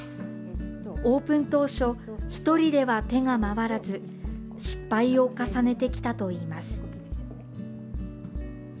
オープン当初、１人では手が回らず失敗を重ねてきたといいます。